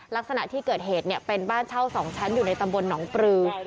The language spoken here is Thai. ลักษณะที่เกิดเหตุเป็นบ้านเช่า๒ชั้นอยู่ในตำบลหนองปลือ